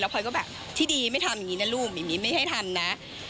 แล้วพลอยก็แบบที่ดีไม่ทำอย่างนี้นะลูกมิมิไม่ให้ทำนะ